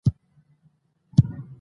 ـ پردى کټ تر نيمو شپو وي.